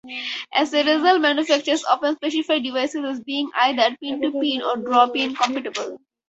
As a result, manufacturers often specify devices as being either "pin-to-pin" or "drop-in" compatible.